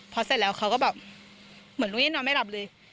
พอเสร็จแล้วเขาก็แบบเหมือนรู้ยังนอนไม่หลับเลย